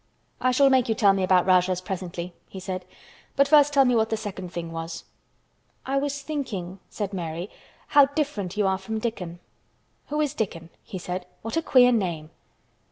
"I shall make you tell me about Rajahs presently," he said, "but first tell me what the second thing was." "I was thinking," said Mary, "how different you are from Dickon." "Who is Dickon?" he said. "What a queer name!"